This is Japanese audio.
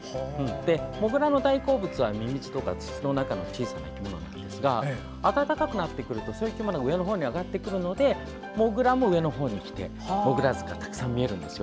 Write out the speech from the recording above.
モグラの大好物はミミズとか土の中の生き物なんですが暖かくなる春にはそういう生き物が上の方に上がってくるのでモグラも上の方に来てモグラ塚がたくさん見られるんですよ。